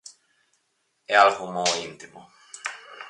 É algo moi íntimo.